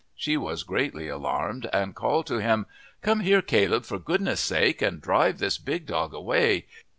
She was greatly alarmed, and called to him, "Come here, Caleb, for goodness' sake, and drive this big dog away!